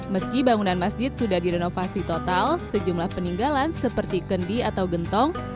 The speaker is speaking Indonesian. meski bangunan masjid sudah direnovasi total sejumlah peninggalan seperti kendi atau gentong